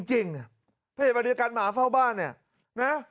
เพจปฏิบัติการหมาเฝ้าบ้านเนี่ย